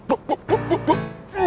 buk buk buk buk